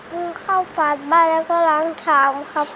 งูเข้าฝาดบ้านแล้วก็ล้างชามครับ